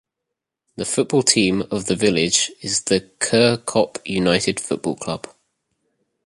The football team of the village is the Kirkop United Football Club.